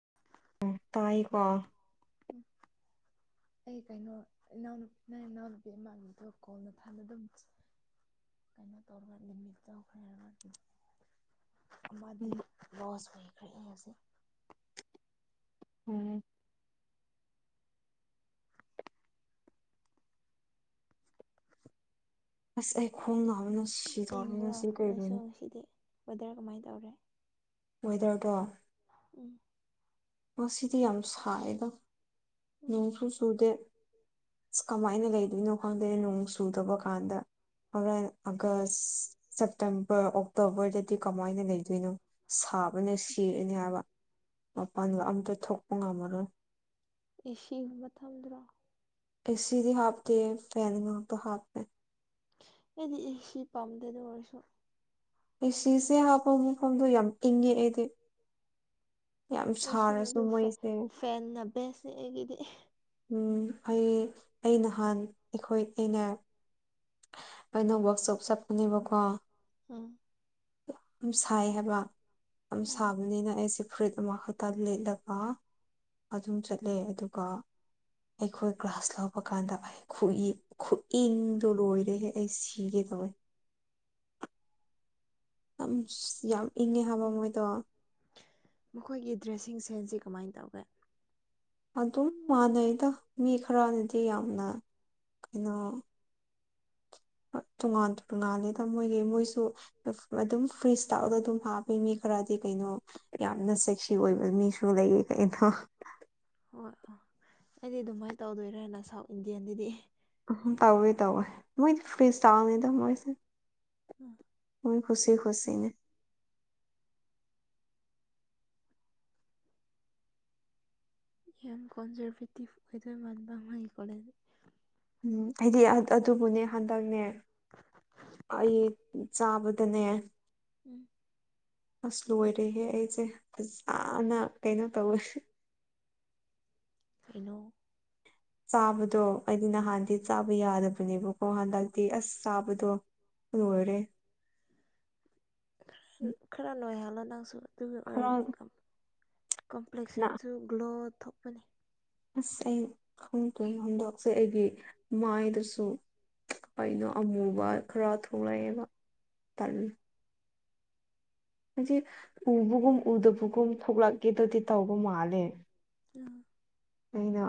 ꯍꯥ ꯎꯝ ꯇꯥꯏꯥꯏꯀꯣ ꯎꯝ ꯑꯩ ꯀꯩꯅꯣ ꯏꯅꯥꯎꯅꯨꯄꯤꯅ ꯏꯅꯥꯎꯅꯨꯄꯤ ꯏꯃꯥꯟꯅꯕꯗꯣ ꯀꯣꯜꯅ ꯊꯥꯅ ꯑꯗꯨꯝ ꯀꯩꯅꯣ ꯇꯧꯔꯒ ꯂꯤꯃꯤꯠ ꯇꯧꯈ꯭ꯔꯦꯒ ꯑꯗꯨꯝ ꯑꯃꯗꯤ ꯂꯣꯁ ꯑꯣꯏꯈ꯭ꯔꯦ ꯑꯩꯁꯦ ꯎꯝ ꯑꯁ ꯑꯩ ꯈꯣꯡ ꯕꯅ ꯇꯤꯡꯕ꯭ꯔꯣ ꯅꯣꯏꯁꯨ ꯉꯁꯤꯗꯤ ꯑꯣꯗꯔ ꯀꯃꯥꯏꯅ ꯇꯧꯔꯦ ꯑꯣꯏꯋꯦꯗꯔꯗꯣ ꯎꯝ ꯃꯁꯤꯗꯤ ꯌꯥꯝ ꯁꯥꯏꯗ ꯎꯝ ꯅꯣꯡꯁꯨꯨ ꯆꯨꯗꯦ ꯑ ꯀꯃꯥꯏꯅ ꯂꯩꯗꯣꯏꯅꯣ ꯈꯪꯗꯦ ꯅꯣꯡ ꯆꯨꯗꯕ ꯀꯥꯟꯗ ꯍꯔꯦꯟ ꯑꯥꯒꯁ ꯁꯦꯞꯇꯦꯝꯕꯔ ꯑꯣꯛꯇꯣꯕꯔꯗꯗꯤ ꯀꯃꯥꯏꯅ ꯂꯩꯗꯣꯏꯅꯣ ꯁꯥꯕꯅ ꯁꯔꯅꯦ ꯍꯥꯏꯕ ꯃꯄꯥꯟꯗ ꯑꯝꯇ ꯊꯣꯛꯄ ꯉꯝꯃꯔꯣꯏ ꯑꯦ ꯁꯤꯨꯝꯕ ꯊꯝꯗ꯭ꯔꯣ ꯑꯦꯗꯤ ꯍꯥꯞ ꯀ ꯐꯅꯗ ꯍꯥꯞ ꯄ ꯑꯦꯗꯤꯁꯤ ꯄꯝꯗꯦꯗ ꯑꯣꯏꯔꯁꯨꯣ ꯑꯦ ꯁꯤꯁꯦ ꯍꯥꯞꯄ ꯃꯐꯝꯗꯣ ꯌꯥꯝ ꯏꯪꯉꯦ ꯑꯩꯗꯤ ꯌꯥꯝ ꯑꯩꯁꯨꯅꯦ ꯁꯥꯔꯁꯨ ꯑꯗꯨ ꯃꯣꯏꯁꯦ ꯐꯦꯟꯅ ꯕꯦꯁꯅꯦ ꯑꯩꯒꯤꯗꯤ ꯑꯩ ꯑꯩ ꯅꯍꯥꯟ ꯑꯩꯈꯣꯏ ꯑꯩꯅ ꯑꯩꯅ ꯋꯥꯛꯁ ꯆꯣꯞ ꯆꯠꯀꯅꯦꯕꯀꯣ ꯍ ꯌꯥꯝ ꯁꯥꯏ ꯍꯥꯏꯕ ꯌꯥꯝ ꯑꯣ ꯁꯥꯕꯅꯤꯅ ꯑꯩꯁꯦ ꯐꯨꯔꯤꯠ ꯑꯃ ꯍꯛꯇ ꯂꯤꯠꯂꯒ ꯑꯗꯨꯝ ꯆꯠꯂꯦ ꯑꯗꯨꯒ ꯑꯩꯈꯣꯏ ꯒ꯭ꯔꯥꯁ ꯂꯧꯕ ꯀꯥꯟꯗ ꯑꯩ ꯈꯨ ꯈꯨꯏꯟ ꯑꯗꯨꯣ ꯂꯣꯏꯔꯦꯍꯦ ꯑꯩ ꯁꯤꯒꯦ ꯇꯧꯋꯦ ꯑꯥꯝꯁ ꯌꯥꯝ ꯏꯪꯉꯦ ꯍꯥꯏꯕ ꯃꯣꯏꯗꯣ ꯃꯈꯣꯏꯒꯤ ꯗ꯭ꯔꯦꯁꯤꯡ ꯁꯦ ꯍꯧꯖꯤꯛ ꯀꯃꯥꯏꯟ ꯇꯧꯒꯦ ꯑꯗꯨꯝ ꯃꯥꯟꯅꯩꯗ ꯃꯤ ꯈꯔꯅꯗꯤ ꯌꯥꯝꯅ ꯀꯩꯅꯣ ꯇꯣꯉꯥꯟ ꯇꯣꯉꯥꯂꯤꯗ ꯃꯣꯏꯒꯤ ꯃꯣꯏꯁꯨ ꯑꯗꯨꯝ ꯐ꯭ꯔꯤ ꯏꯁꯇꯥꯏꯜꯗ ꯑꯗꯨꯝ ꯍꯥꯞꯄꯩ ꯃꯤ ꯈꯔꯗꯤ ꯀꯩꯅꯣ ꯌꯥꯝꯅ ꯁꯦꯛꯁꯤ ꯑꯣꯏꯕ ꯃꯤꯁꯨ ꯁꯨ ꯂꯩꯌꯦ ꯀꯩꯅꯣ ꯍꯣꯏ ꯑꯩꯗꯤ ꯑꯗꯨꯃꯥꯏꯅ ꯇꯧꯗꯣꯏꯔꯅ ꯁꯥꯎꯠ ꯏꯟꯗꯤꯌꯥꯟꯗꯗꯤ ꯎꯝ ꯇꯧꯋꯦ ꯇꯧꯋꯦ ꯃꯣꯏꯗꯤ ꯐ꯭ꯔꯤ ꯁ꯭ꯇꯥꯥꯜꯅꯤꯗ ꯃꯣꯏꯁꯦ ꯎꯝ ꯃꯣꯏ ꯈꯨꯨꯁꯤ ꯈꯨꯨꯁꯤꯅꯦ ꯌꯥꯝ ꯀꯣꯟꯖꯔꯚꯦꯇꯤꯞ ꯑꯣꯏꯗꯣꯏ ꯃꯟꯕ ꯃꯥꯒꯤ ꯀꯣꯂꯦꯖ ꯎꯝ ꯑꯩꯗꯤ ꯑꯗꯨꯕꯨꯅꯦ ꯍꯟꯗꯛꯅꯦ ꯑꯩ ꯎꯝ ꯆꯥꯕꯗꯅꯦ ꯎꯝ ꯑꯁ ꯂꯣꯏꯔꯦꯍꯦ ꯑꯩꯖꯦ ꯐꯖꯅꯥ ꯀꯩꯅꯣ ꯇꯧꯋꯦ ꯀꯩꯅꯣ ꯆꯥꯕꯗꯣ ꯑꯩꯗꯤ ꯅꯍꯥꯟꯗꯤ ꯆꯥꯕ ꯌꯥꯗꯕꯅꯦꯕꯀꯣ ꯍꯟꯗꯛꯇꯤ ꯑꯁ ꯆꯥꯕꯗꯣ ꯂꯣꯏꯔꯦ ꯈꯔ ꯅꯣꯏꯍꯜꯂꯣ ꯅꯪꯁꯨ ꯑꯗꯨꯒꯤ ꯈꯔ ꯑꯣꯏꯔꯗꯤ ꯀꯝ ꯀꯝꯄ꯭ꯂꯦꯛꯁꯟꯁꯨ ꯒ꯭ꯂꯣ ꯊꯣꯛꯄꯅꯤ ꯑꯁ ꯑꯩ ꯈꯪꯗꯦ ꯍꯟꯗꯛꯁꯦ ꯑꯩꯒꯤ ꯃꯥꯏꯗꯁꯨ ꯀꯩꯅꯣ ꯑꯃꯨꯕ ꯈꯔ ꯊꯣꯛꯂꯛꯑꯦꯕ ꯇꯥꯂꯦ ꯍꯥꯏꯗꯤ ꯎꯕꯒꯨꯝ ꯎꯗꯕꯒꯨꯝ ꯊꯣꯛꯂꯛ ꯀꯦꯗꯥꯗꯤ ꯇꯧꯕ ꯃꯥꯜꯂꯦ ꯎꯝ ꯑꯩꯅ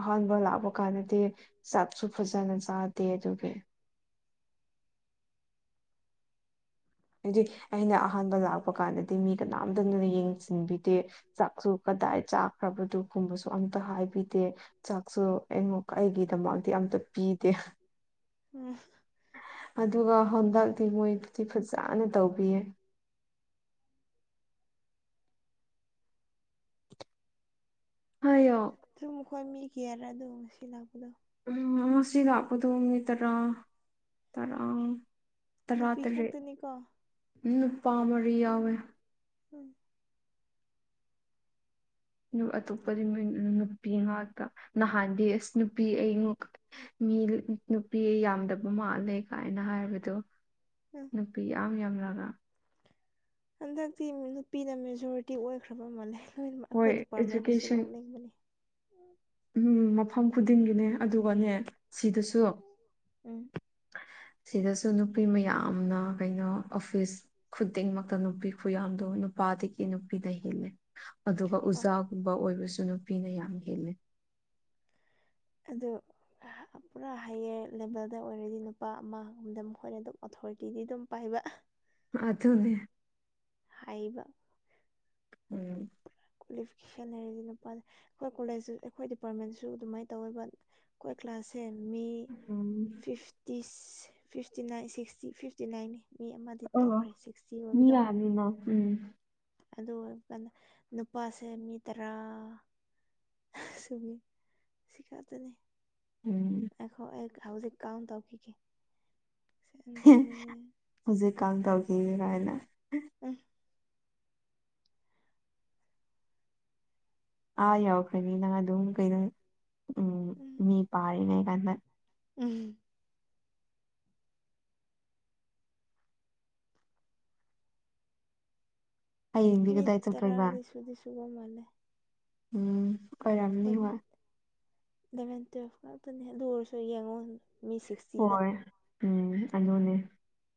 ꯑꯍꯥꯟꯕ ꯂꯥꯛꯄ ꯀꯥꯟꯗꯗꯤ ꯆꯥꯛꯁꯨ ꯐꯖꯅ ꯆꯥꯗꯦ ꯑꯗꯨꯒꯤ ꯍꯥꯏꯗꯤ ꯑꯩꯅ ꯑꯍꯥꯟꯕ ꯂꯥꯛꯄ ꯀꯥꯟꯗꯗꯤ ꯃꯤ ꯀꯅꯥꯝꯇꯅ ꯌꯦꯡꯁꯤꯟꯕꯤ ꯗꯦ ꯆꯥꯛꯁꯨ ꯀꯗꯥꯏ ꯆꯥꯈ꯭ꯔꯕꯗꯨꯒꯨꯝꯕꯁꯨ ꯑꯝꯇ ꯍꯥꯏꯕꯤꯗꯦ ꯆꯥꯛꯁꯨ ꯑꯩꯉꯀ ꯑꯩꯒꯤꯗꯃꯛꯇꯗꯤ ꯑꯝꯇ ꯄꯤꯗꯦ ꯎꯝ ꯑꯗꯨꯒ ꯍꯟꯗꯛꯇꯤ ꯃꯣꯏꯗꯤ ꯐꯖꯅ ꯇꯧꯕꯤꯌꯦ ꯍꯥꯏꯌꯣ ꯑꯗꯨꯨꯝ ꯃꯈꯣꯏ ꯃꯤ ꯀꯌꯔꯥ ꯑꯗꯣ ꯉꯁꯤ ꯂꯥꯛꯄꯗꯣ ꯎꯝ ꯉꯁꯤ ꯂꯛꯄꯗꯣ ꯃꯤ ꯇꯔꯥ ꯇꯔꯥ ꯇꯔꯥ ꯅꯨꯄꯤ ꯇꯔꯦꯠ ꯈꯛꯇꯅꯤꯀꯣ ꯅꯨꯄꯥ ꯃꯔꯤ ꯌꯥꯎꯋꯦ ꯎꯝ ꯑꯇꯣꯞꯄꯗꯤ ꯅꯨꯄꯤ ꯉꯥꯛꯇ ꯅꯍꯥꯟꯗꯤ ꯑꯁ ꯅꯨꯄꯤ ꯑꯩ ꯃꯤ ꯅꯨꯄꯤ ꯌꯥꯝꯗꯕ ꯃꯥꯜꯂꯦ ꯀꯥꯏꯅ ꯍꯥꯏꯕꯗꯣ ꯎꯝ ꯅꯨꯄꯤ ꯌꯥꯝ ꯌꯥꯝꯂꯒ ꯍꯟꯗꯛꯇꯤ ꯅꯨꯄꯤꯅ ꯃꯦꯖꯣꯔꯤꯇꯤ ꯑꯣꯏꯈ꯭ꯔꯕ ꯃꯥꯜꯂꯦ ꯂꯣꯏꯅꯃꯛ ꯍꯣꯏ ꯑꯩꯈꯣꯏ ꯗꯤꯄꯥꯔꯠꯃꯦꯟꯗꯁꯨ ꯏꯗꯨꯀꯦꯁꯟ ꯂꯧꯅꯤꯡꯕꯅꯤ ꯎꯝ ꯃꯐꯝ ꯈꯨꯗꯤꯡꯒꯤꯅꯦ ꯑꯗꯨꯒꯅꯦ ꯁꯤꯗꯁꯨ ꯎꯝ ꯁꯤꯗꯁꯨ ꯅꯨꯄꯤ ꯃꯌꯥꯝꯅ ꯀꯩꯅꯣ ꯑꯣꯐꯤꯁ ꯈꯨꯗꯤꯡꯃꯛꯇ ꯅꯨꯄꯤ ꯈꯨꯌꯥꯝꯗꯣ ꯅꯨꯄꯥꯗꯒꯤ ꯅꯨꯄꯤꯅ ꯍꯦꯂꯦ ꯑꯗꯨꯒ ꯑꯣ ꯎꯖꯥꯒꯨꯝꯕ ꯑꯣꯏꯕꯁꯨ ꯅꯨꯄꯤꯅ ꯌꯥꯝ ꯍꯦꯜꯂꯦ ꯑꯗꯣ ꯄꯨꯔꯥ ꯍꯥꯏꯌꯔ ꯂꯦꯕꯦꯜꯗ ꯑꯣꯏꯔꯗꯤ ꯅꯨꯄꯥ ꯑꯃꯒꯨꯝꯗ ꯃꯈꯣꯏꯅ ꯑꯗꯨꯝ ꯑꯣꯊꯣꯔꯤꯇꯤꯗꯤ ꯑꯗꯨꯝ ꯄꯥꯏꯕ ꯑꯗꯨꯅꯦ ꯍꯥꯏꯕ ꯎꯝ ꯀ꯭ꯋꯥꯂꯤꯐꯤꯀꯦꯁꯟ ꯂꯩꯔꯗꯤ ꯅꯨꯄꯥ ꯑꯩꯈꯣꯏ ꯀꯣꯂꯦꯖ ꯑꯩꯈꯣꯏ ꯗꯤꯄꯥꯔꯠꯃꯦꯟꯁꯨ ꯑꯗꯨꯃꯥꯏꯅ ꯇꯧꯋꯦꯕ ꯀꯣꯏ ꯀ꯭ꯂꯥꯁꯦ ꯃꯤ ꯎꯝ fifth ꯇꯤꯁ fifty nine sixty fifty ꯅꯥꯏꯟꯅꯤ ꯃꯤ ꯑꯃꯗꯤ ꯑꯣ ꯇꯣꯛꯈ꯭ꯔꯦ ꯁꯤꯛꯁꯇꯤ ꯃꯤ ꯑꯣꯏꯕꯗꯣ ꯌꯥꯝꯃꯤꯅ ꯎꯝ ꯑꯗꯨ ꯑꯣꯏꯔ ꯀꯗ ꯅꯨꯄꯥꯁꯦ ꯃꯤ ꯇꯔꯥ ꯁꯨꯒꯤ ꯁꯤ ꯈꯇꯅꯦ ꯎꯝ ꯑꯦꯈꯣ ꯍꯧꯥꯎꯖꯤ ꯀꯥꯎꯟ ꯇꯧꯈꯤꯒꯦ ꯎꯝ ꯍꯧꯖꯤꯛꯀ ꯇꯧꯈꯤꯔ ꯍꯥꯏꯅ ꯎꯝ ꯑꯥ ꯌꯎꯔꯈ꯭ꯔꯅꯤ ꯅꯪ ꯑꯗꯨꯝ ꯀꯩꯅꯣ ꯎꯝ ꯃꯤ ꯄꯥꯔꯤꯉꯩ ꯀꯥꯟꯗ ꯎꯝ ꯍꯌꯦꯡꯗꯤ ꯃꯤ ꯀꯗꯥꯏ ꯇꯔꯥ ꯆꯠꯇꯣꯏꯕ ꯗꯤ ꯁꯕꯁꯨꯒ ꯃꯥꯂꯦ ꯎꯝ ꯑꯣꯏꯔꯝꯅꯤ ꯑꯦꯂꯚꯦꯟ ꯍꯣꯏ ꯏꯂꯚꯦꯟ ꯇꯨꯋꯦꯜꯐ ꯉꯇꯅꯦ ꯑꯗꯨ ꯑꯣꯏꯔꯁꯨ ꯌꯦꯡꯉꯣ ꯃꯤ ꯁꯤꯛꯁ ꯍꯣꯏ ꯎꯝ ꯑꯗꯨꯅꯦ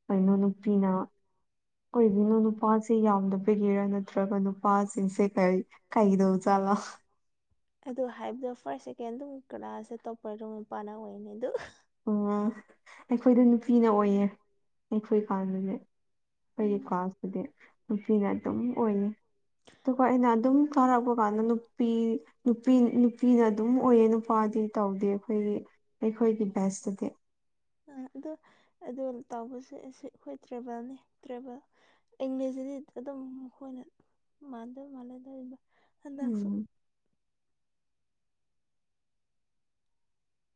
ꯀꯩꯅꯣ ꯅꯨꯄꯤꯅ ꯑꯣꯏꯒꯤꯅꯣ ꯅꯨꯄꯥꯁꯤ ꯁꯤ ꯌꯥꯝꯅ ꯄꯤꯒꯔꯥ ꯅꯠꯇ꯭ꯔꯒ ꯅꯨꯄꯥꯁꯤꯡꯁꯦ ꯀꯩ ꯀꯩꯗꯧꯖꯥꯠꯂꯣ ꯑꯗ ꯍꯥꯏꯕꯗꯣ ꯐꯥꯔꯁ ꯁꯦꯀꯦꯟ ꯑꯗꯨꯝ ꯀ꯭ꯂꯥꯁꯁꯦ ꯇꯧꯄ ꯑꯗꯨꯝ ꯃꯄꯥꯟꯅ ꯑꯣꯏꯅꯤ ꯑꯗꯨ ꯎ ꯑꯩꯈꯣꯏꯗ ꯅꯨꯄꯤꯅ ꯑꯣꯏꯌꯦ ꯑꯩꯈꯣꯏ ꯀꯥꯟꯗꯅꯦ ꯑꯩꯒꯤ ꯎꯝ ꯀ꯭ꯂꯥꯁꯇꯗꯤ ꯅꯨꯄꯤꯅ ꯑꯗꯨꯝ ꯑꯣꯏꯅꯤ ꯑꯗꯨꯒ ꯑꯩꯅ ꯑꯗꯨꯝ ꯆꯥꯔꯛꯄ ꯀꯥꯟꯗ ꯅꯨꯄꯤ ꯅꯨꯄꯤ ꯅꯨꯄꯤꯅ ꯑꯗꯨꯝ ꯑꯣꯏꯌꯦ ꯅꯨꯄꯥꯗꯤ ꯇꯧꯗꯦ ꯑꯩꯈꯣꯏꯒꯤ ꯑꯩꯈꯣꯏꯒꯤ ꯕꯦꯁꯇꯗꯤ ꯑ ꯑꯣ ꯑ ꯇꯥꯎꯁꯦ ꯑꯁꯤ ꯑꯩꯈꯣꯏ ꯇ꯭ꯔꯦꯚꯦꯜꯅꯤ ꯇ꯭ꯔꯦꯚꯦꯜ ꯏꯪꯂꯤꯁꯇꯗꯤ ꯑꯗꯨꯝ ꯃꯈꯣꯏꯅ ꯃꯥꯟꯗꯧ ꯃꯥꯟꯅꯗꯧꯔꯤꯕ ꯍꯟꯗꯛꯁꯨ ꯎꯝ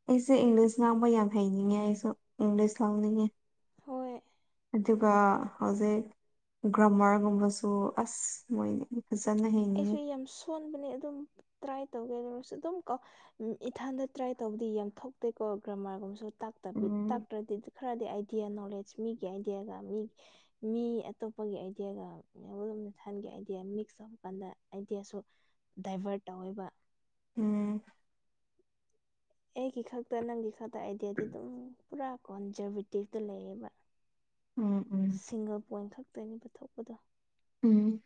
ꯑꯩꯁꯦ ꯏꯪꯂꯤꯁ ꯉꯥꯡꯕ ꯌꯥꯝ ꯍꯩꯅꯤꯡꯉꯦ ꯑꯩꯁꯨ ꯏꯪꯂꯤꯁ ꯉꯥꯡꯅꯤꯡꯉꯦ ꯍꯣꯏ ꯑꯗꯨꯒ ꯍꯧꯖꯤꯛ ꯒ꯭ꯔꯃꯔꯒꯨꯝꯕꯁꯨ ꯑꯁ ꯃꯣꯏꯅꯤ ꯑꯩꯁꯨ ꯌꯥꯝ ꯁꯣꯟꯕꯅꯦ ꯑꯗꯨꯝ ꯇ꯭ꯔꯥꯏ ꯇꯧꯒꯦꯗꯔꯁꯨ ꯑꯗꯨꯝ ꯀꯣ ꯎꯝ ꯏꯊꯥꯟꯗ ꯇ꯭ꯔꯥꯏ ꯇꯧꯕꯗꯤ ꯌꯥꯝ ꯊꯣꯛꯇꯦꯀꯣ ꯒ꯭ꯔꯃꯥꯔꯒꯨꯝꯕꯁꯨ ꯎꯝ ꯇꯥꯛꯇ꯭ꯔꯗꯤ ꯈꯔꯗꯤ ꯑꯥꯏꯗꯤꯌꯥ ꯅꯣꯂꯦꯖ ꯃꯤꯒꯤ ꯑꯥꯏꯗꯤꯌꯥꯒ ꯃꯤꯒꯤ ꯃꯤ ꯑꯇꯣꯞꯄꯒꯤ ꯑꯥꯏꯗꯤꯌꯥꯒ ꯃꯂꯣꯅ ꯊꯥꯟꯒꯤ ꯑꯥꯏꯗꯤꯌꯥ ꯃꯤꯛꯁ ꯀꯟꯗ ꯑꯩꯗꯤ ꯑꯁꯨ ꯗꯥꯏꯚꯔꯠ ꯇꯧꯋꯦꯕ ꯎꯝ ꯑꯩꯒꯤ ꯈꯛꯇ ꯅꯪꯒꯤ ꯈꯛꯇ ꯑꯥꯏꯗꯤꯌꯥꯗꯤ ꯑꯗꯨꯝ ꯄꯨꯔꯥ ꯀꯣꯟꯖꯚꯦꯇꯤꯞꯇ ꯂꯩꯌꯦꯕ ꯎꯝ ꯎꯝ ꯁꯤꯡꯒꯜ ꯄꯣꯏꯟ ꯈꯛꯇꯒꯤ ꯄꯨꯊꯣꯛꯄꯗꯣ ꯎꯝ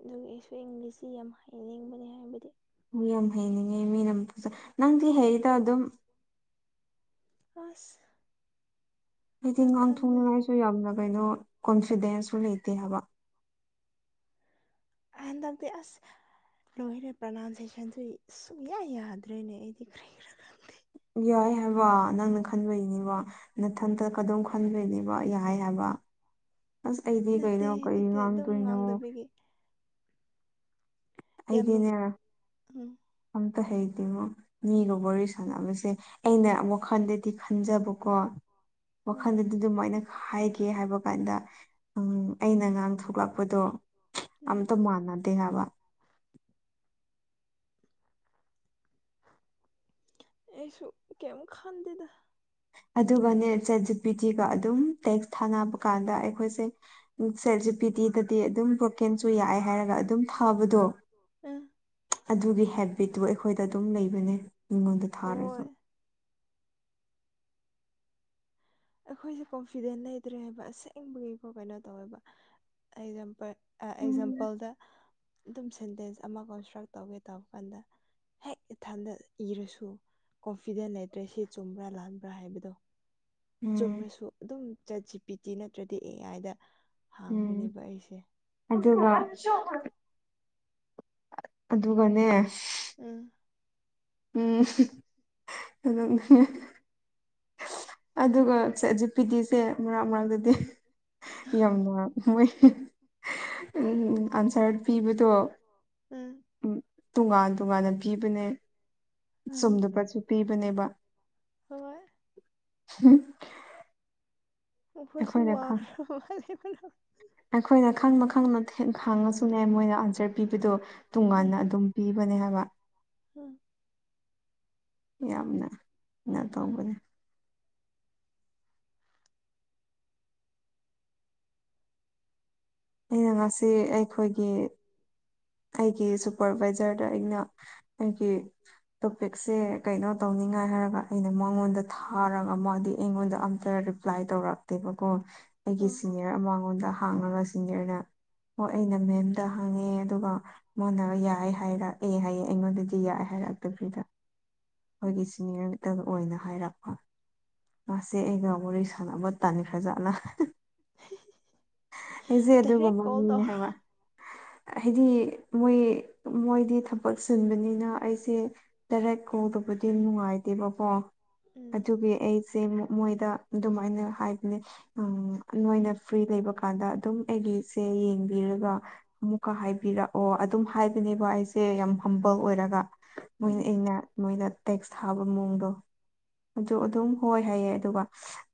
ꯑꯗꯨꯒ ꯑꯩꯁꯨ ꯏꯪꯂꯤꯁꯁꯤ ꯌꯥꯝ ꯍꯩꯅꯤꯡꯕꯅꯤ ꯍꯥꯏꯕꯗꯤ ꯌꯥꯝ ꯍꯩꯅꯤꯡꯉꯦ ꯃꯤꯅꯖ ꯅꯪꯗꯤ ꯍꯩꯗ ꯑꯗꯨꯝ ꯑꯁ ꯍꯥꯏꯗꯤ ꯅꯪ ꯈꯪꯗꯦ ꯉꯥꯡꯊꯣꯛꯅꯤꯡꯉꯥꯏꯁꯨ ꯌꯥꯝꯅ ꯀꯩꯅꯣ ꯀꯣꯟꯐꯤꯗꯦꯟꯁꯁꯨ ꯂꯩꯇꯦ ꯍꯥꯏꯕ ꯑ ꯍꯟꯗꯛꯇꯤ ꯑꯁ ꯂꯣꯏꯔꯦ ꯄ꯭ꯔꯅꯥꯎꯟꯁꯦꯁꯟꯁꯨ ꯁꯨꯡꯛꯌꯥ ꯌꯥꯗ꯭ꯔꯦꯅꯦ ꯑꯩꯗꯤ ꯈ꯭ꯔꯦ ꯈꯔ ꯈ ꯌꯥꯏ ꯍꯥꯏꯕ ꯅꯪꯅ ꯈꯟꯕꯒꯤꯅꯦꯕ ꯅꯊꯟꯇ ꯀꯗꯝ ꯈꯟꯕꯩꯅꯦꯕ ꯌꯥꯏ ꯍꯥꯏꯕ ꯑꯁ ꯑꯩꯗꯤ ꯅꯠꯇꯦ ꯀꯩꯅꯣ ꯀꯩ ꯅꯠꯇꯦ ꯑꯗꯨꯝ ꯉꯥꯡꯗꯣꯏꯅꯣ ꯉꯥꯡꯗꯕꯤꯒꯤ ꯌꯥꯝ ꯅꯨꯡ ꯑꯩꯗꯤꯅꯦ ꯎꯝ ꯑꯝꯇ ꯍꯩꯇꯦꯃꯣ ꯃꯤꯒ ꯋꯥꯔꯤ ꯁꯥꯟꯅꯕꯁꯦ ꯑꯩꯅ ꯑꯃꯨꯛꯈꯟꯗꯗꯤ ꯈꯟꯖꯕꯀꯣ ꯑꯥ ꯋꯥꯈꯟꯗꯗꯤ ꯑꯗꯨꯃꯥꯏꯅ ꯍꯥꯏꯒꯦ ꯍꯥꯏꯕ ꯀꯥꯟꯗ ꯎꯝ ꯑꯩꯅ ꯉꯥꯡ ꯊꯣꯛꯂꯛꯄꯗꯣ ꯎꯝ ꯑꯝꯇ ꯃꯥꯅꯥꯗꯤ ꯍꯥꯏꯕ ꯑꯦꯁꯨ ꯀꯃ ꯈꯥꯟꯗꯗ ꯑꯗꯨꯒꯅꯦ ꯁꯦꯠ ꯖꯤ ꯄꯤ ꯇꯤꯒ ꯑꯗꯨꯝ ꯇꯦꯛꯁ ꯊꯥꯅꯕ ꯀꯥꯟꯗ ꯑꯩꯈꯣꯏꯁꯦ ꯁꯦꯜ ꯖꯤ ꯄꯤ ꯇꯗꯤꯗꯗꯤ ꯑꯗꯨꯝ ꯕ꯭ꯔꯣꯀꯦꯟꯁꯨ ꯌꯥꯏ ꯍꯥꯏꯔꯒ ꯑꯗꯨꯝ ꯐꯕꯗꯣ ꯑ ꯑꯗꯨꯒꯤ ꯍꯦꯕꯤꯠꯇꯨ ꯑꯩꯈꯣꯏꯗ ꯑꯗꯨꯝ ꯂꯩꯕꯅꯦ ꯃꯤꯉꯣꯟꯗ ꯊꯥꯔꯁꯨ ꯍꯣꯏ ꯑꯩꯈꯣꯏꯁꯦ ꯀꯣꯟꯐꯤꯗꯦꯟ ꯂꯩꯇ꯭ꯔꯦ ꯍꯥꯏꯕ ꯑꯁꯦꯡꯕꯒꯤꯀꯣ ꯀꯩꯅꯣ ꯇꯧꯋꯦꯕ ꯑꯦꯖꯥꯝꯄꯜ ꯎꯝ ꯑꯦꯛꯖꯥꯝꯄꯜꯗ ꯑꯗꯨꯝ ꯁꯦꯟꯇꯦꯟꯁ ꯑꯃ ꯀꯟꯁꯇ꯭ꯔꯛ ꯇꯧꯒꯦ ꯇꯧꯕꯔ ꯀꯥꯟꯗ ꯍꯦꯛ ꯏꯊꯟꯗ ꯏꯔꯁꯨ ꯀꯣꯟꯐꯤꯗꯦꯟ ꯂꯩꯇ꯭ꯔꯦ ꯁꯤ ꯆꯨꯝꯕ꯭ꯔꯥ ꯂꯥꯟꯕ꯭ꯔꯥ ꯍꯥꯏꯕꯗꯣ ꯆꯨꯝꯔꯁꯨ ꯑꯗꯨꯝ ꯆꯠꯁꯤ ꯄꯤ ꯇꯤ ꯅꯠꯇ꯭ꯔꯗꯤ ꯑꯦ ꯑꯥꯏꯗ ꯎꯝ ꯍꯥꯡꯒꯅꯦꯕ ꯑꯩꯁꯦ ꯑꯗꯨꯒ ꯑꯗꯨꯒꯅꯦ ꯎꯝ ꯎꯝ ꯑꯗꯨꯝ ꯑꯗꯨꯒ ꯍꯧꯖꯤꯛ ꯄꯤ ꯗꯤꯁꯦ ꯃꯔꯥꯡ ꯃꯔꯥꯡꯛꯇꯗꯤ ꯌꯥꯝꯅ ꯃꯣꯏ ꯑꯟꯁꯥꯔ ꯄꯤꯕꯗꯣ ꯎꯝ ꯇꯣꯉꯥꯟ ꯇꯣꯉꯥꯟꯅ ꯄꯤꯕꯅꯦ ꯎꯝ ꯆꯨꯝꯗ ꯄꯠꯁꯨ ꯄꯤꯕꯅꯦꯕ ꯍꯣꯏ ꯍꯝ ꯑꯩꯈꯣꯏꯁꯨ ꯑꯩꯈꯣꯏꯅ ꯈꯪ ꯋꯥꯈ꯭ꯔ ꯃꯥꯕꯅ ꯑꯩꯈꯣꯏꯅ ꯈꯪꯅ ꯈꯪꯅ ꯈꯥꯡꯉꯁꯨꯅꯦ ꯃꯣꯏꯅ ꯑꯟꯁꯔ ꯄꯤꯕꯗꯣ ꯇꯣꯉꯥꯟꯅ ꯑꯗꯨꯝ ꯄꯤꯕꯅꯦ ꯍꯥꯏꯕ ꯍꯝ ꯌꯥꯝꯅ ꯉ ꯇꯧꯕꯅꯦ ꯑꯩꯅ ꯉꯁꯤ ꯑꯩꯈꯣꯏꯒꯤ ꯑꯩꯒꯤ ꯁꯨꯄꯔꯚꯥꯏꯖꯔꯗ ꯑꯩꯅ ꯑꯩꯒꯤ ꯇꯣꯄꯤꯛꯁꯦ ꯀꯩꯅꯣ ꯇꯧꯅꯤꯡꯉꯥꯏ ꯍꯥꯏꯔꯒ ꯑꯩꯅ ꯃꯉꯣꯟꯗ ꯊꯥꯔꯒ ꯃꯥꯗꯤ ꯑꯩꯉꯣꯟꯗ ꯑꯝꯇ ꯐ꯭ꯂꯥꯏ ꯇꯧꯔꯥꯛꯇꯦꯕꯀꯣ ꯑꯩꯒꯤ ꯎꯝ ꯁꯤꯅꯤꯌꯔ ꯑꯃ ꯃꯉꯣꯟꯗ ꯍꯥꯡꯉꯒ ꯁꯤꯅꯤꯌꯔꯅ ꯍꯣꯏ ꯑꯩꯅ ꯃꯦꯝꯗ ꯍꯥꯡꯉꯦ ꯑꯗꯨꯒ ꯃꯣꯏꯅ ꯌꯥꯏ ꯍꯥꯏꯔꯛꯑꯦ ꯍꯥꯏꯌꯦꯦ ꯑꯩꯉꯣꯟꯗꯗꯤ ꯌꯥꯏꯑꯦ ꯍꯥꯏꯔꯛꯇꯕꯤꯗ ꯎꯝ ꯑꯩꯈꯣꯏꯒꯤ ꯁꯤꯅꯤꯌꯔꯛꯇ ꯑꯣꯏꯅ ꯍꯥꯏꯔꯛꯄ ꯃꯥꯁꯦ ꯑꯒ ꯋꯥꯔꯤ ꯁꯥꯟꯅꯕ ꯇꯅꯤ ꯐꯖꯥꯠꯅ ꯑꯩꯁꯦ ꯗꯥꯏꯔꯦꯛ ꯑꯗꯨꯒꯨꯝꯕ ꯀꯣꯜ ꯃꯤꯅꯦ ꯇꯧꯔ ꯍꯥꯏꯕ ꯍꯥꯏꯗꯤ ꯃꯣꯏ ꯃꯣꯏꯗꯤ ꯊꯕꯛ ꯁꯤꯨꯟꯕꯅꯤꯅ ꯑꯩꯁꯦ ꯇꯔꯦꯠ ꯀꯧꯗꯕꯗꯤ ꯅꯨꯡꯉꯥꯏꯗꯦꯕꯀꯣ ꯎꯝ ꯑꯗꯨꯒꯤ ꯑꯩꯁꯦ ꯃꯣꯏꯗ ꯑꯗꯨꯃꯥꯏꯅ ꯍꯥꯏꯕꯅꯦ ꯎ ꯅꯣꯏꯅ ꯐ꯭ꯔꯤ ꯂꯩꯕ ꯀꯥꯟꯗ ꯑꯗꯨꯝ ꯑꯩꯒꯤꯁꯦ ꯌꯦꯡꯕꯤꯔꯒ ꯑꯃꯨꯛꯀ ꯍꯥꯏꯕꯤꯔꯛꯑꯣ ꯑꯗꯨꯝ ꯍꯥꯏꯕꯅꯦꯕ ꯑꯩꯁꯦ ꯌꯥꯝ ꯍꯝꯕꯜ ꯑꯣꯏꯔꯒ ꯃꯣꯏꯅ ꯎꯝ ꯑꯩꯅ ꯃꯣꯏꯅ ꯇꯦꯛꯁ ꯊꯥꯕ ꯃꯑꯣꯡꯗꯣ ꯑꯗꯨ ꯑꯗꯨꯝ ꯍꯣꯏ ꯍꯥꯏꯌꯦ ꯑꯗꯨꯒ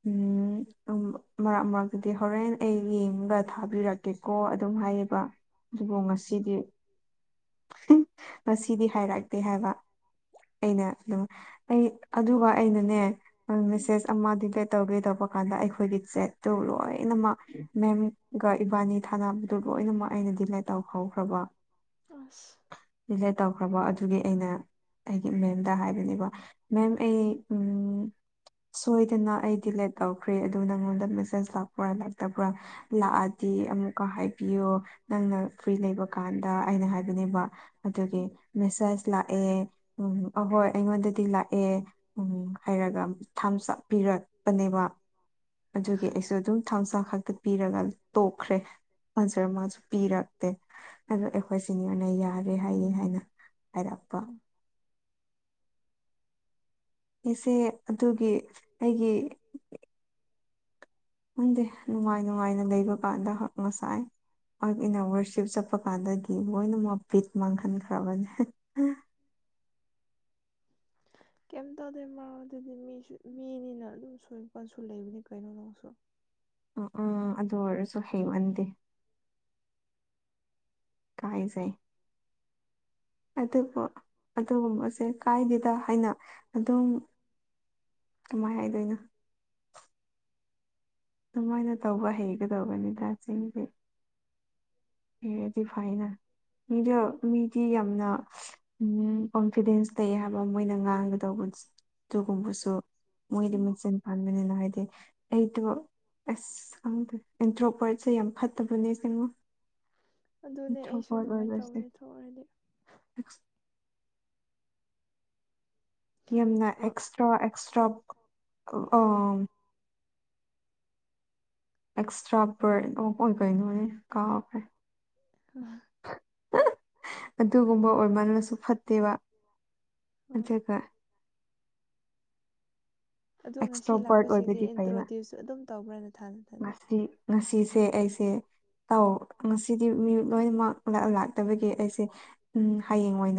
ꯎꯝ ꯎ ꯃꯔꯛ ꯃꯔꯛꯇꯗꯤ ꯍꯣꯔꯦꯟ ꯑꯩ ꯌꯦꯡꯒ ꯊꯥꯕꯤꯔꯛꯀꯦ ꯀꯦꯀꯣ ꯑꯗꯨꯝ ꯍꯥꯏꯌꯦꯕ ꯑꯗꯨꯕꯨ ꯉꯁꯤꯗꯤ ꯃꯁꯤꯗꯤ ꯍꯥꯏꯔꯛꯇꯦ ꯍꯥꯏꯕ ꯑꯩꯅ ꯑꯗꯨ ꯑꯩ ꯑꯗꯨꯒ ꯑꯩꯅꯅꯦ ꯃꯦꯁꯦꯁ ꯑꯃ ꯗꯤꯂꯦ ꯇꯧꯒꯦ ꯇꯧꯕ ꯀꯥꯟꯗ ꯑꯩꯈꯣꯏꯒꯤ ꯆꯦꯠꯇꯨ ꯂꯣꯏꯅꯃꯛ ꯃꯦꯝ ꯑꯗꯨꯒ ꯏꯕꯥꯅꯤ ꯊꯥꯅꯕꯗꯨ ꯂꯣꯏꯅꯃꯛ ꯑꯩꯅ ꯗꯤꯂꯦ ꯇꯧꯍꯧꯈ꯭ꯔꯕ ꯑꯁ ꯗꯤꯂꯦ ꯇꯧꯈ꯭ꯔꯕꯣ ꯑꯗꯨꯒꯤ ꯑꯩꯅ ꯑꯩꯒꯤ ꯃꯦꯝꯗ ꯍꯥꯏ ꯃ ꯑꯩ ꯎ ꯁꯣꯏꯗꯅ ꯑꯩ ꯗꯤꯂꯦ ꯇꯧ ꯈ꯭ꯔꯦ ꯑꯗꯨ ꯅꯪꯉꯣꯟꯗ ꯃꯦꯁꯦꯖ ꯂꯥꯛꯄ꯭ꯔꯥ ꯂꯇꯕ꯭ꯔꯥ ꯂꯥꯛꯑꯗꯤ ꯑꯃꯨꯛꯀ ꯍꯥꯏꯕꯤꯌꯣ ꯅꯪꯅ ꯐ꯭ꯔꯤ ꯂꯩꯕ ꯀꯥꯟꯗ ꯑꯩꯅ ꯍꯥꯏꯕꯤꯅꯤꯡꯕ ꯑꯗꯨꯒꯤ ꯎꯝ ꯃꯦꯁꯦꯁ ꯂꯥꯛꯑꯦ ꯎꯝ ꯑꯍꯣꯏ ꯑꯩꯉꯣꯟꯗꯗꯤ ꯂꯥꯛꯑꯦ ꯎꯝ ꯍꯥꯏꯔꯒ ꯊꯝꯆꯥ ꯄꯤꯔꯛꯄꯅꯦꯕ ꯑꯗꯨꯒꯤ ꯑꯩꯁꯨ ꯑꯗꯨꯝ ꯊꯝꯁꯥꯡ ꯈꯛꯇ ꯄꯤꯔꯒ ꯇꯣꯛꯈ꯭ꯔꯦ ꯑꯟꯁꯔ ꯑꯃꯥꯁꯨ ꯄꯤꯔꯛꯇꯦ ꯑꯗꯣ ꯑꯩꯈꯣꯏ ꯁꯤꯅꯤꯌꯔꯅ ꯌꯥꯔꯦ ꯍꯥꯏꯌ‌ꯦ ꯍꯥꯏꯅ ꯍꯥꯏꯔꯛꯄ ꯑꯩꯁ‌ꯦ ꯑꯗꯨꯒꯤ ꯑꯩꯒꯤ ꯈꯪꯗꯦ ꯅꯨꯡꯉꯥꯏ ꯅꯨꯡꯉꯥꯏꯅ ꯂꯩꯕ ꯀꯥꯟꯗ ꯉꯁꯥꯏ ꯑꯪ ꯑꯩꯅ ꯋꯔꯁꯤꯞ ꯆꯠꯄ ꯀꯥꯟꯗꯒꯤ ꯂꯣꯏꯅꯃꯛ ꯕꯤꯠ ꯃꯥꯡꯍꯟꯈ꯭ꯔꯕꯅꯦ ꯀꯩꯝ ꯇꯧꯗꯦ ꯃꯥ ꯑꯗꯨꯗꯤ ꯃꯤꯁꯨ ꯃꯤꯅꯤꯅ ꯑꯗꯨꯝ ꯁꯣꯏꯄꯁꯨ ꯂꯩꯕꯅꯤ ꯀꯩꯅꯣꯗꯁꯨ ꯑ ꯑ ꯑꯗꯨ ꯑꯣꯏꯔꯁꯨ ꯍꯩꯃꯟꯗꯦ ꯀꯥꯏꯖꯩ ꯑꯗꯨꯕꯨ ꯑꯗꯨꯒꯨꯝꯕꯁꯦ ꯀꯥꯏꯗꯦꯗ ꯍꯥꯏꯅ ꯑꯗꯨꯝ ꯀꯃꯥꯏ ꯍꯥꯏꯗꯣꯏꯅꯣ ꯑꯗꯨꯃꯥꯏꯅ ꯇꯧꯕ ꯍꯩꯒꯗꯧꯕꯅꯤꯗ [unintelligible] [unintelligible] ꯗꯤ ꯐꯥꯏꯅ ꯑꯗ‌ꯣ ꯃꯤꯗꯤ ꯌꯥꯝꯅ ꯎꯝ ꯀꯣꯟꯐꯤꯗꯦꯟꯁ ꯂꯩ ꯍꯥꯏꯕ ꯃꯣꯏꯅ ꯉꯥꯡꯒꯗꯧꯕ ꯑꯗꯨꯒꯨꯝꯕꯁꯨ ꯃꯣꯏꯗꯤ ꯎꯝ ꯃꯆꯤꯟ ꯄꯥꯥꯟꯕꯅꯤꯅ ꯍꯥꯏꯗꯤ ꯑꯩꯗꯨ ꯑꯦꯁ ꯈꯪꯗ‌ꯦ ꯑꯦꯟꯇ꯭ꯔꯣꯄꯔꯠꯁꯦ ꯌꯥꯝ ꯐꯠꯇꯕꯅꯦ ꯌꯦꯡꯉꯣ ꯑꯗꯨꯅꯦ ꯑꯩꯁꯨ ꯑꯗꯨꯃꯥꯏꯅ ꯇꯧꯕꯅꯦ ꯊꯣꯛꯔꯗꯤ ꯑꯦꯛꯁ ꯌꯥꯝꯅ ꯑ ꯑꯦꯛꯁꯇ꯭ꯔꯥ ꯑꯦꯛꯁꯇ꯭ꯔꯥ ꯑꯦꯛꯁꯇ꯭ꯔꯥ ꯕꯔꯠ ꯑꯃ ꯑꯣꯏ ꯀꯩꯅꯣꯅꯦ ꯀꯥꯎꯈ꯭ꯔꯦ [unintelligible] ꯑꯗꯨꯒꯨꯝꯕ ꯑꯣꯏꯃꯜꯂꯁꯨ ꯐꯠꯇꯦꯕ ꯍꯣꯏ ꯑꯗꯨꯒ ꯑꯗꯣ ꯉꯁꯤ ꯑꯦꯛꯁꯇ꯭ꯔꯣꯕꯔꯠ ꯂꯥꯛꯄꯁꯤꯡꯁꯦ ꯑꯣꯏꯕꯗꯤ ꯐꯩꯕ ꯏꯟꯇ꯭ꯔꯣꯗ꯭ꯌꯨꯁ ꯑꯗꯨꯝ ꯇꯧꯕ꯭ꯔꯥ ꯅꯊꯥ ꯅꯊꯟꯗ ꯉꯁꯤ ꯉꯁꯤꯁꯦ ꯑꯩꯁꯦ ꯇꯧ ꯉꯁꯤꯗꯤ ꯃꯤ ꯂꯣꯏꯅꯃꯛ ꯂꯥꯛꯇꯕꯒꯤ ꯑꯩꯁꯦ ꯎ ꯍꯌꯦꯡ ꯑꯣꯏꯅ